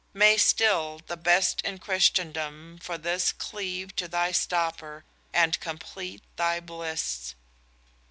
May still_ the best in Christendom _for this Cleave to thy stopper, and compleat thy bliss!